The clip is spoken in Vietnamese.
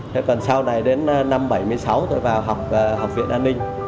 thế còn sau này đến năm bảy mươi sáu tôi vào học học viện an ninh